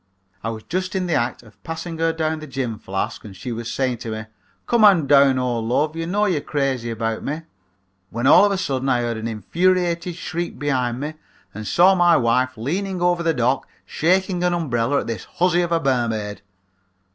I was just in the act of passing her down the gin flask and she was saying to me, 'Come on down, old love; you know you're crazy about me,' when all of a sudden I heard an infuriated shriek behind me and saw my wife leaning over the dock shaking an umbrella at this huzzy of a mermaid.